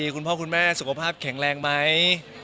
คุณพ่อคุณแม่สุขภาพแข็งแรงไหม